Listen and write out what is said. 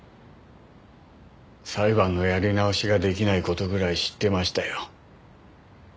裁判のやり直しができない事ぐらい知ってましたよ。